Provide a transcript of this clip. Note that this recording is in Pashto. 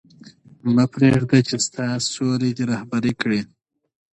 مه پرېږده چې ستا سیوری دې رهبري کړي.